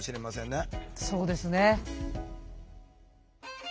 そうですね。